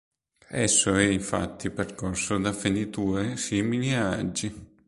Esso è infatti percorso da fenditure simili a raggi.